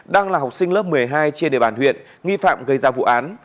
đang là học sinh lớp một mươi hai trên địa bàn huyện nghi phạm gây ra vụ án